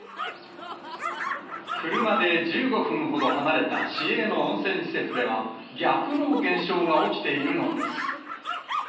車で１５分ほど離れた市営の温泉施設では、逆の現象が起きているのです。